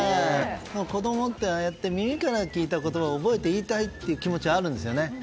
子供ってああやって耳から聞いて覚えて、言いたいという気持ちがあるんですよね。